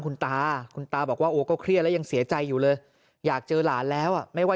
คุณตาคุณตาบอกว่าก็เครียดแล้วยังเสียใจอยู่เลยอยากเจอ